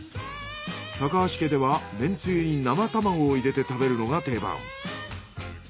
橋家ではめんつゆに生卵を入れて食べるのが定番。